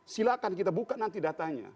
silahkan kita buka nanti datanya